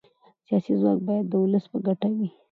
سیاسي ځواک باید د ولس په ګټه وي